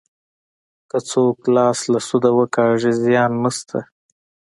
که څوک لاس له سوده وکاږي زیان نشته.